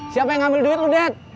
siapa yang ngambil duit lu det